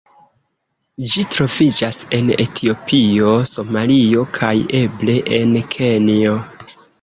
Ĝi troviĝas en Etiopio, Somalio, kaj eble en Kenjo.